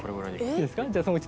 いいですか？